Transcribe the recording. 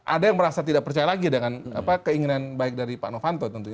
ada yang merasa tidak percaya lagi dengan keinginan baik dari pak novanto tentunya